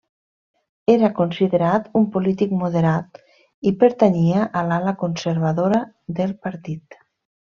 Era considerat un polític moderat, i pertanyia a l'ala conservadora del partit.